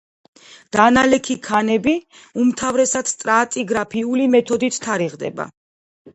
დანალექი ქანები უმთავრესად სტრატიგრაფიული მეთოდით თარიღდება.